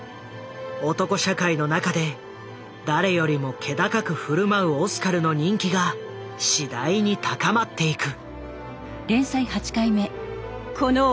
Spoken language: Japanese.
男社会の中で誰よりも気高く振る舞うオスカルの人気が次第に高まっていく。